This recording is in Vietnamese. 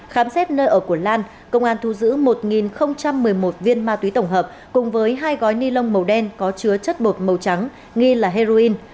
khám xét nơi ở của lan công an thu giữ một một mươi một viên ma túy tổng hợp cùng với hai gói ni lông màu đen có chứa chất bột màu trắng nghi là heroin